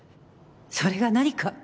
それが何か？